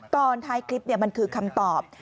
ตอนท้ายคลิปมันคือคำตอบ